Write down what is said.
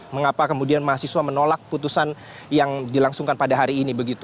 mengapa kemudian mahasiswa menolak putusan yang dilangsungkan pada hari ini